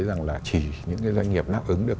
rằng là chỉ những cái doanh nghiệp đáp ứng được